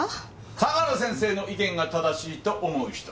相良先生の意見が正しいと思う人。